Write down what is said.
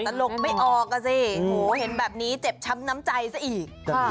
ตลกไม่ออกอ่ะสิโหเห็นแบบนี้เจ็บช้ำน้ำใจซะอีก